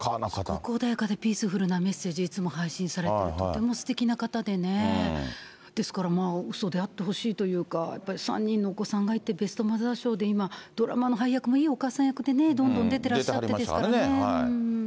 すごく穏やかでピースフルなメッセージをいつも発信されて、とてもすてきな方でね、ですからうそであってほしいというか、３人のお子さんがいて、ベストマザー賞で今、ドラマの配役もいいお母さん役で、どんどん出てらっしゃってますからね。